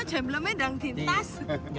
ayo jemblomnya dengan tintas